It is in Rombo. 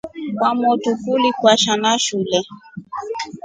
Kwamotru kuli kwasha na shule.